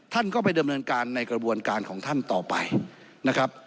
ท่านก็ไปดำเนินการในกระบวนการของท่านต่อไปนะครับ